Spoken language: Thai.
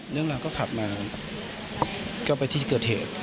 เรื่องราวก็ขับมาก็ไปที่เกิดเหตุ